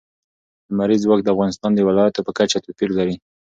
لمریز ځواک د افغانستان د ولایاتو په کچه توپیر لري.